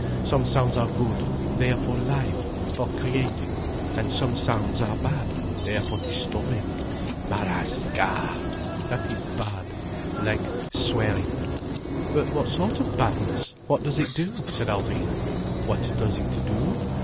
Some sounds are good, they are for life, for creating, and some sounds are bad, they are for destroying. Ma rà sca!—that is bad, like swearing." "But what sort of badness? What does it do?" said Alvina. "What does it do?